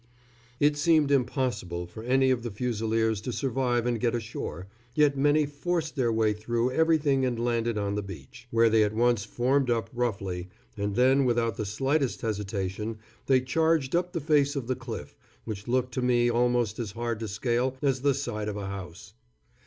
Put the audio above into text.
It seemed impossible for any of the Fusiliers to survive and get ashore, yet many forced their way through everything and landed on the beach, where they at once formed up roughly, and then without the slightest hesitation they charged up the face of the cliff, which looked to me almost as hard to scale as the side of a house.